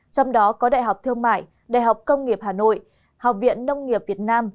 trong đó có đại học thương mại đại học công nghiệp hà nội học viện nông nghiệp việt nam